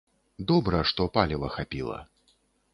Добра, што паліва хапіла.